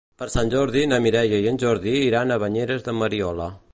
Per Sant Jordi na Mireia i en Jordi iran a Banyeres de Mariola.